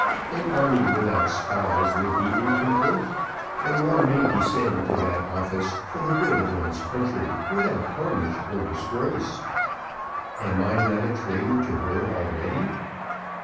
An army without spies would be incomplete, and one may descend to that office for the good of one's country without tarnish or disgrace. Am I not a traitor to her already?